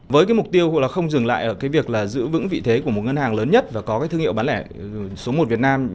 với cái mục tiêu là không dừng lại ở cái việc là giữ vững vị thế của một ngân hàng lớn nhất và có cái thương hiệu bán lẻ số một việt nam